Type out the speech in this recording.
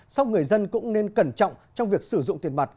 sau người dân cũng nên cẩn trọng trong việc sử dụng tiền mặt